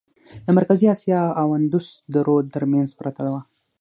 د مرکزي آسیا او اندوس د رود ترمنځ پرته وه.